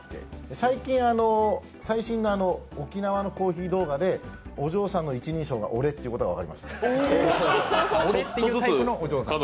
最近、最新の沖縄のコーヒー動画でお嬢さんの一人称が「俺」っていうことが分かりました。